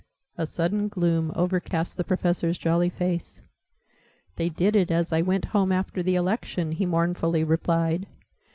A sudden gloom overcast the Professor's jolly face. "They did it as I went home after the Election," he mournfully replied.